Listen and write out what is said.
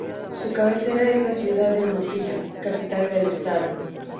Su cabecera es la ciudad de Hermosillo, capital del estado.